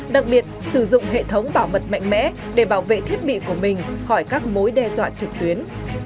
đặc biệt sử dụng hệ thống bảo mật mạnh mẽ để bảo vệ thiết bị của mình khỏi các mối đe dọa trực tuyến